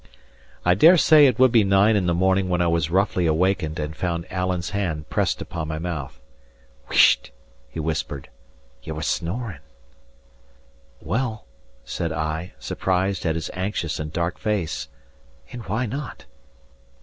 I dare say it would be nine in the morning when I was roughly awakened, and found Alan's hand pressed upon my mouth. "Wheesht!" he whispered. "Ye were snoring." "Well," said I, surprised at his anxious and dark face, "and why not?"